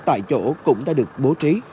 tại chỗ cũng đã được bố trí